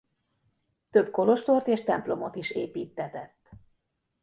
Több kolostort és templomot is építtetett.